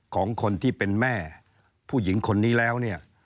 ของคนที่เป็นแม่ผู้หญิงคนนี้แล้วเนี่ย